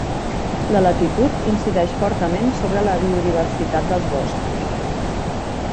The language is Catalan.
La latitud incideix fortament sobre la biodiversitat dels boscos.